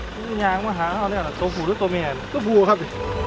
ตัวผูหรือตัวแม่ตัวผูครับ